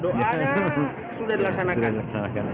doanya sudah dilaksanakan